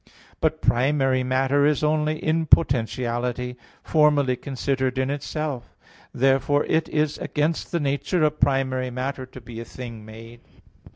But primary matter is only in potentiality, formally considered in itself. Therefore it is against the nature of primary matter to be a thing made.